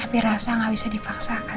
tapi rasa gak bisa dipaksakan